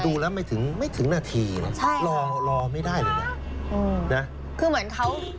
ดูแล้วไม่ถึงนาทีรอไม่ได้เลยนะ